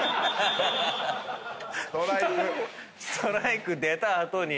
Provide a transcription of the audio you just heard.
ストライク出た後に美川。